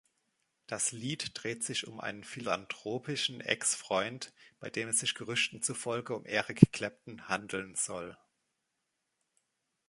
Das Lied dreht sich um einen philanthropischen Ex-Freund, bei dem es sich Gerüchten zufolge um Eric Clapton handeln soll.